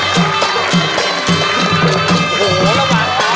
มีชื่อว่าโนราตัวอ่อนครับ